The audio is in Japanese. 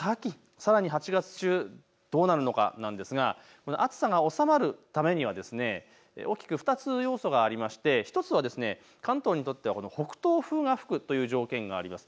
さらに８月中、どうなるのかなんですが暑さが収まるためには大きく２つ要素がありまして１つは関東にとっては北東風が続くという条件があります。